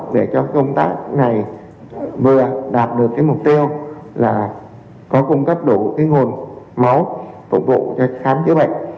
để cho công tác này vừa đạt được mục tiêu là có cung cấp đủ nguồn máu phục vụ cho khám chữa bệnh